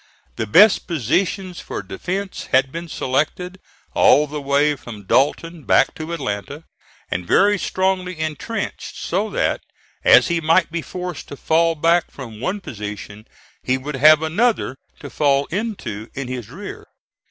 The best positions for defence had been selected all the way from Dalton back to Atlanta, and very strongly intrenched; so that, as he might be forced to fall back from one position, he would have another to fall into in his rear.